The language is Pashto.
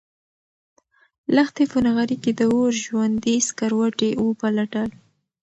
لښتې په نغري کې د اور ژوندي سکروټي وپلټل.